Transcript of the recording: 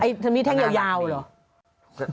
ไอ้ทำศาลัมมี้แท่งยาวหรอ